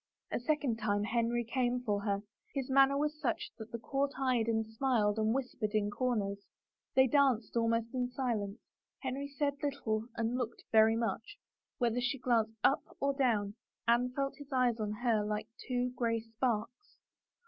A second time Henry came for her, and his manner was such that the court eyed and smiled and whispered in comers. They danced almost in silence. Henry said little and looked very much. Whether she glanced up or down, Anne felt his eyes on her like two gray sparks.